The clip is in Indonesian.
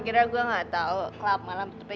akhirnya gue nggak tahu kelab malam ter whose